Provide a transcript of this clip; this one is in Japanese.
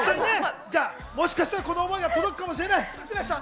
もしかしたら、この思いが届くかもしれない。